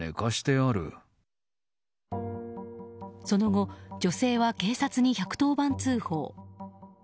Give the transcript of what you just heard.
その後、女性は警察に１１０番通報。